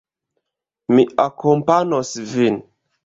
Mi akompanos vin.